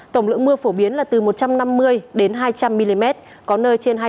tổng lượng mưa phổ biến là từ một trăm năm mươi đến hai trăm linh mm có nơi trên hai trăm năm mươi mm